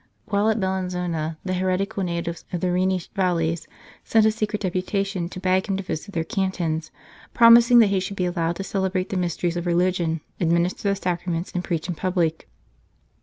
While at Bellinzona, the heretical natives of the Rhenish valleys sent a secret deputation to beg him to visit their cantons, promising that he should be allowed to celebrate the mysteries of religion, administer the Sacra ments, and preach in public.